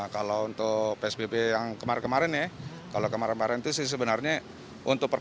kalau untuk psbb yang kemarin kemarin sebenarnya untuk perkembangan kesembuhan peningkatan tetap ada